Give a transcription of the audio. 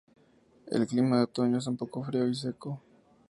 El clima de otoño es un poco frío y seco.